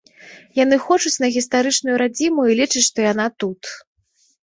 Яны хочуць на гістарычную радзіму і лічаць, што яна тут.